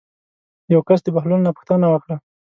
یو کس د بهلول نه پوښتنه وکړه.